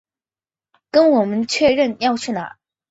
跟我们确认要去哪